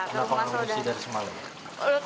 kenapa mengungsi dari semalam